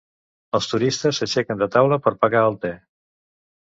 Els turistes s'aixequen de taula per pagar el te.